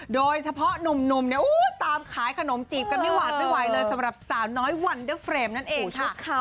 โดยเฉพาะหนุ่มเนี่ยตามขายขนมจีบกันไม่หวาดไม่ไหวเลยสำหรับสาวน้อยวันเดอร์เฟรมนั่นเองค่ะ